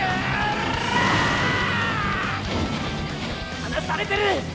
離されてる！